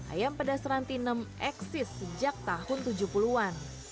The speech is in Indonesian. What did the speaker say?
ayam pedas rantinem eksis sejak tahun tujuh puluh an